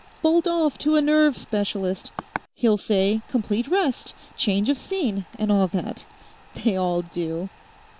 Bolt off to a nerve specialist. He'll say complete rest—change of scene, and all that. They all do.